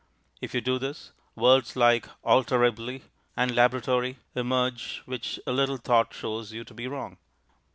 If you do this, words like "alterably" and "laboratory" emerge, which a little thought shows you to be wrong.